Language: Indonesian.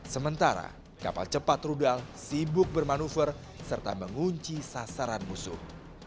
sementara kapal cepat rudal sibuk bermanuver serta mengunci sasaran musuh